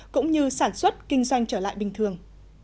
cũng như sản xuất kinh doanh trở lại bình thường